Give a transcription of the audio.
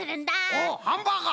おっハンバーガー！